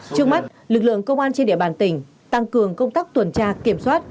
trước mắt lực lượng công an trên địa bàn tỉnh tăng cường công tác tuần tra kiểm soát